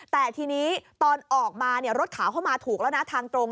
แต่ทีนี้ตอนออกมารถขาวเข้ามาถูกแล้วนะทางตรง